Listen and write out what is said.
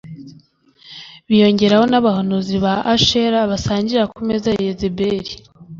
biyongeraho nabahanuzi ba Ashera basangirira ku meza ya Yezebeli